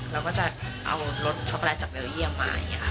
เราก็จะเอารสช็อกโกแลตจากเบลเยี่ยมมา